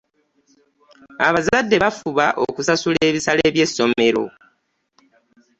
Abazadde bafuba okusasula ebisale bye ssomero.